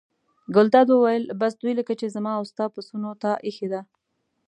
ګلداد وویل: بس دوی لکه چې زما او ستا پسونو ته اېښې ده.